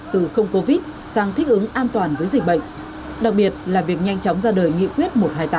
từ không covid sang thích ứng an toàn với dịch bệnh đặc biệt là việc nhanh chóng ra đời nghị quyết một trăm hai mươi tám